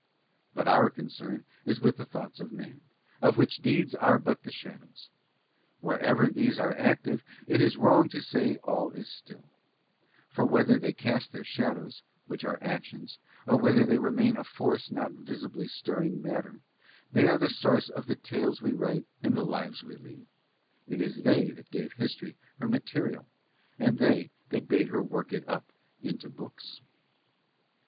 But our concern is with the thoughts of man, of which deeds are but the shadows: wherever these are active it is wrong to say all is still; for whether they cast their shadows, which are actions, or whether they remain a force not visibly stirring matter, they are the source of the tales we write and the lives we lead; it is they that gave History her material and they that bade her work it up into books.